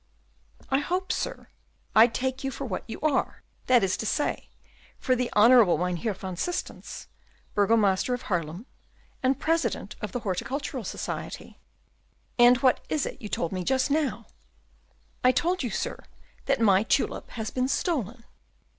"I hope, sir, I take you for what you are, that is to say, for the honorable Mynheer van Systens, Burgomaster of Haarlem, and President of the Horticultural Society." "And what is it you told me just now?" "I told you, sir, that my tulip has been stolen."